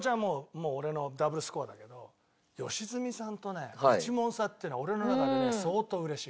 もう俺のダブルスコアだけど良純さんとね１問差っていうのは俺の中でね相当うれしい。